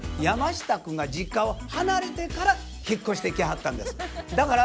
山下君が実家を離れてから引っ越してきはったんです。